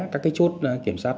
các cái chốt kiểm soát